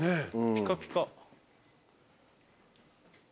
ピカピカ。